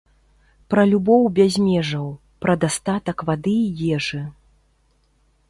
Пра любоў без межаў, пра дастатак вады і ежы.